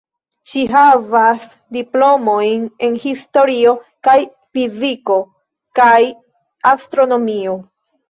Ŝi havas diplomojn en historio kaj en fiziko kaj astronomio.